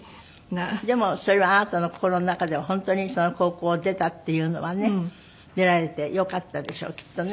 でもそれはあなたの心の中では本当にその高校を出たっていうのはね出られてよかったでしょうきっとね。